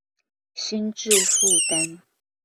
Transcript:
心智負擔